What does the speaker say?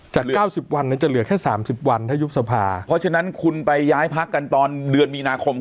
จากเก้าสิบวันเนี้ยจะเหลือแค่สามสิบวันถ้ายุบทภาพเพราะฉะนั้นคุณไปย้ายพักกันตอนเดือนมีนาคม